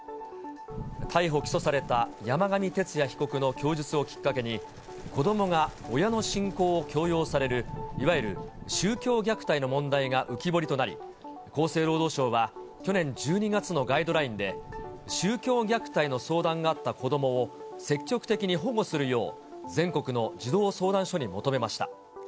逮捕・起訴された山上徹也被告の供述をきっかけに、子どもが親の信仰を強要される、いわゆる宗教虐待の問題が浮き彫りとなり、厚生労働省は去年１２月のガイドラインで、宗教虐待の相談があった子どもを積極的に保護するよう、全国の児童相談所に求めました。